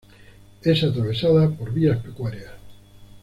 Es atravesada por vías pecuarias.